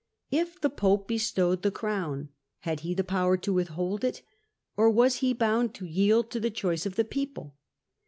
K the pope be stowed the crown, had he the power to withhold it, or was he bound to yield to the choice of the people